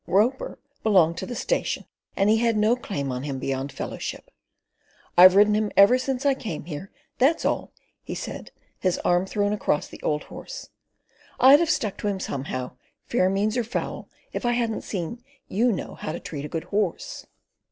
Roper belonged to the station, and he had no claim on him beyond fellowship. "I've ridden him ever since I came here, that's all," he said, his arm thrown across the old horse. "I'd have stuck to him somehow, fair means or foul, if I hadn't seen you know how to treat a good horse."